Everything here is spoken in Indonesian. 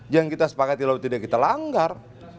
yang kita sepakati lalu tidak kita langgar